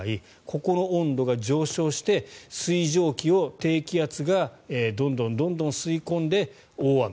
ここの温度が上昇して水蒸気を低気圧がどんどん吸い込んで大雨。